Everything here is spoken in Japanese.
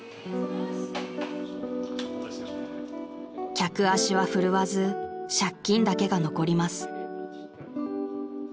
［客足は振るわず借金だけが残ります］